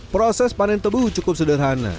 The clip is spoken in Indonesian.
proses panen tebu cukup sederhana